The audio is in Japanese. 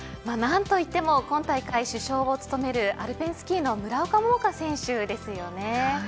何と言っても今大会、主将を務めるアルペンスキーの村岡桃佳選手ですよね。